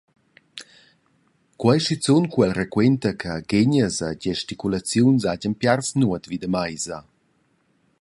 Quei schizun cu el raquenta che ghegnas e gesticulaziuns hagien piars nuot vida meisa.